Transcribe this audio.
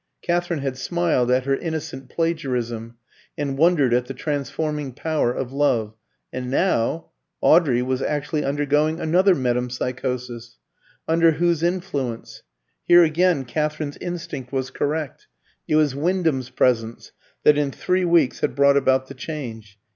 Katherine had smiled at her innocent plagiarism, and wondered at the transforming power of love. And now Audrey was actually undergoing another metempsychosis. Under whose influence? Here again Katherine's instinct was correct. It was Wyndham's presence that in three weeks had brought about the change.